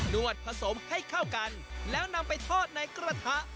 วดผสมให้เข้ากันแล้วนำไปทอดในกระทะ